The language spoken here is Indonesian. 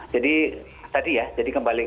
jadi tadi ya jadi kembali